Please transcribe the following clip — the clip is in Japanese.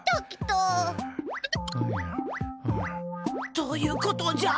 どういうことじゃ？